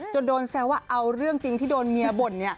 จนโดนแซวว่าเอาเรื่องจริงที่โดนเมียบ่น